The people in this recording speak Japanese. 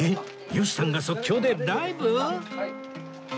吉さんが即興でライブ！？